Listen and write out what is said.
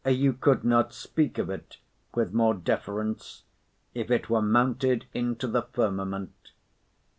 You could not speak of it with more deference, if it were mounted into the firmament.